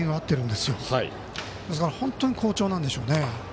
ですから本当に好調なんでしょうね。